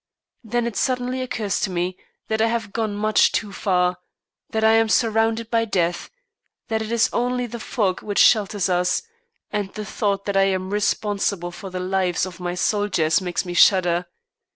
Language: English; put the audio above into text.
Then it suddenly occurs to me that I have gone much too far, that I am surrounded by death, that it is only the fog which shelters us, and the thought that I am responsible for the lives of my soldiers makes me shudder.